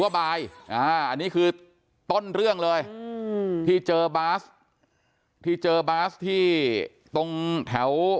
อันนี้คือต้นเรื่องเลยที่เจอบาสที่เจอบาสที่ตรงแถว